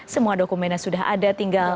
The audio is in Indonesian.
semua dokumennya sudah ada